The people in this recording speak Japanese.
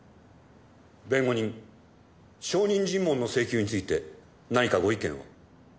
弁護人証人尋問の請求について何かご意見は？